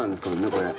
これ。